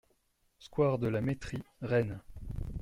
Square de la Mettrie, Rennes